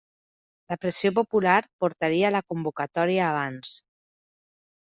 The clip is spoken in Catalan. La pressió popular portaria la convocatòria abans.